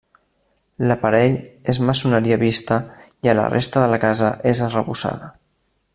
L'aparell és maçoneria vista i a la resta de la casa és arrebossada.